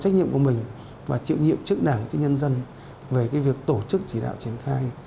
trách nhiệm của mình và trực nhiệm chức đảng chức nhân dân về việc tổ chức chỉ đạo triển khai